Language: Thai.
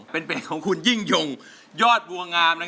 เป็นเพลงของคุณยิ่งยงยอดบัวงาม